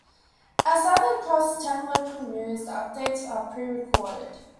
As "Southern Cross Ten Local News", the updates are pre-recorded.